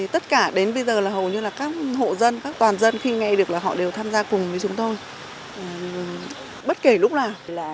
tất cả đến bây giờ là hầu như là các hộ dân các toàn dân khi nghe được là họ đều tham gia cùng với chúng tôi bất kể lúc nào